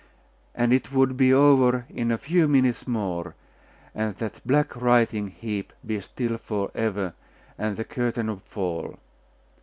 And it would be over in a few minutes more, and that black writhing heap be still for ever, and the curtain fall